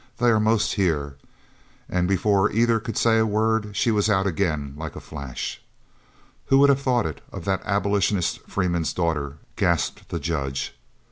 They are most here!" And before either could say a word, she was out again like a flash. "Who would have thought it, of that Abolitionist Freeman's daughter," gasped the Judge.